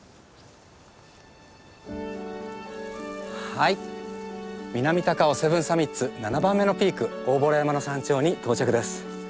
はい南高尾セブンサミッツ７番目のピーク大洞山の山頂に到着です。